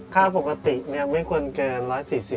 ค่าปกติเนี่ยไม่ควรเกินร้อยสี่สิบ